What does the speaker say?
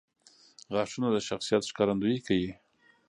• غاښونه د شخصیت ښکارندویي کوي.